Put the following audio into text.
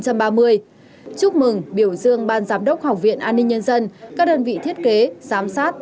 chúc mừng biểu dương ban giám đốc học viện an ninh nhân dân các đơn vị thiết kế giám sát